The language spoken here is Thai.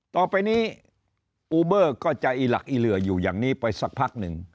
ต่อไปนี้อูเบอร์ก็จะอีหลักอีเหลืออยู่อย่างนี้ไปสักพักหนึ่ง